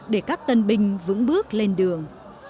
để các tân binh vững bước lên đường